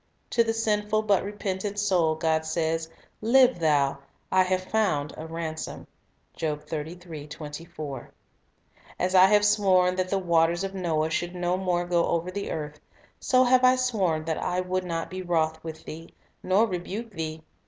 To the sinful but repentant soul God says, Live thou; "I have found a ransom."' 2 "As I have sworn that the waters of Noah should no more go over the earth, so have I sworn that I would not be wroth with thee, nor rebuke thee.